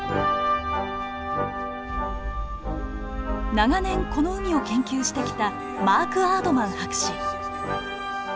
長年この海を研究してきたマーク・アードマン博士。